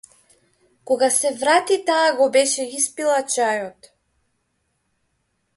Кога се врати таа го беше испила чајот.